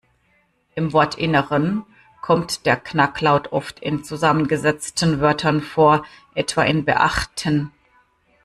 Im Wortinneren kommt der Knacklaut oft in zusammengesetzten Wörtern vor, etwa in "beachten".